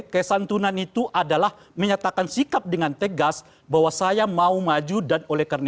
kesantunan itu adalah menyatakan sikap dengan tegas bahwa saya mau maju dan oleh karena